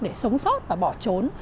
để sống sót và bỏ trốn